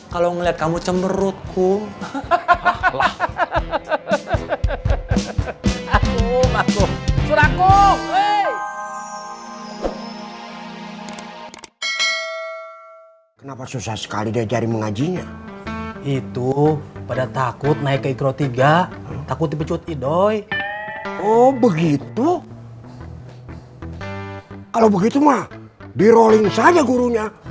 kalau begitu mah di rolling saja gurunya